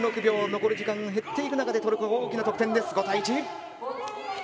残り時間が減っていく中でトルコ、大きな得点です、５対１。